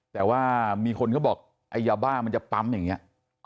แต่ว่ามีคนเขาบอกไอ้ยาบ้ามันจะปั๊มอย่างนี้